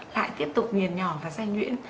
lại tiếp tục nghiền nhỏ và say nhuyễn